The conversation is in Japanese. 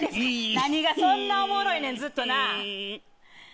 何がそんなおもろいねんずっとなぁ！